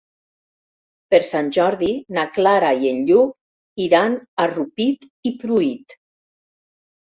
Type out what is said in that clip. Per Sant Jordi na Clara i en Lluc iran a Rupit i Pruit.